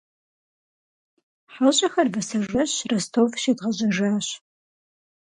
Хьэщӏэхэр вэсэжэщ Ростов щедгъэжьэжащ.